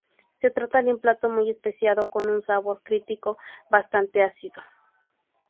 Se trata de un plato muy especiado con un sabor cítrico bastante ácido.